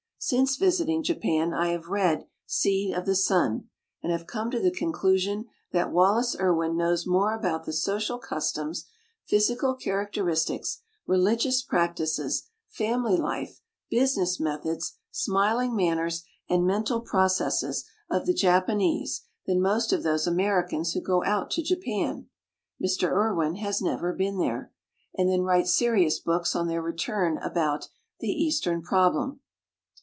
Since visiting Japan I have read "Seed of the Sun" and have come to the conclusidn that Wallace Irwin knows more about the social customs, physical characteristics, religious practices, family life, business methods, smU ing manners and mental processes of the Jap anese than most of those Americans who go out to Japan (Mr. Irwin has never been there) and then write serious books on their return about "The Eastern Problem".